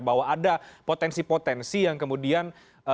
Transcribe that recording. bahwa ada potensi potensi yang kemudian